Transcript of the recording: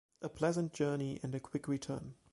A pleasant journey and a quick return.